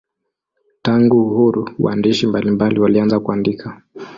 Tangu uhuru waandishi mbalimbali walianza kuandika.